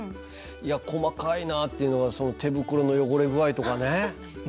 いや細かいなぁっていうのがその手袋の汚れ具合とかね。